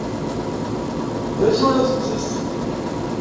D acu ay la tettess?